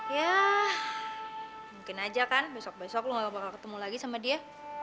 ya mungkin aja kan besok besok lu gak bakal ketemu lagi sama dia